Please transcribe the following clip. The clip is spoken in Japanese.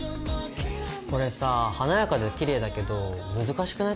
これさ華やかできれいだけど難しくない？